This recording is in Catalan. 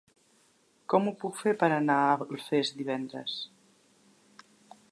Com ho puc fer per anar a Alfés divendres?